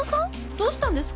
どうしたんですか？